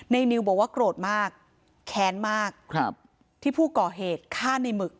นิวบอกว่าโกรธมากแค้นมากครับที่ผู้ก่อเหตุฆ่าในหมึก